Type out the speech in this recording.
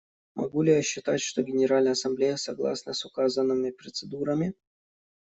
Могу ли я считать, что Генеральная Ассамблея согласна с указанными процедурами?